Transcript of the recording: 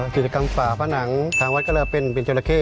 อ๋อจิตกรรมฝ่าผ้านังทางวัดก็แล้วเป็นจอร์ละเข้